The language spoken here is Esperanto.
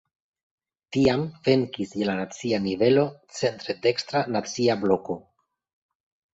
Tiam venkis je la nacia nivelo centre dekstra "Nacia Bloko".